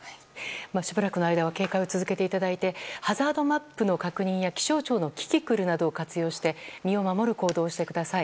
しばらくの間は警戒を続けていただいてハザードマップの確認や気象庁のキキクルなどを確認して身を守る行動をしてください。